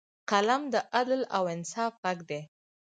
قلم د عدل او انصاف غږ دی